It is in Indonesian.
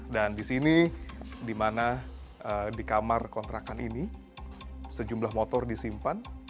dan disini dimana di kamar kontrakan ini sejumlah motor disimpan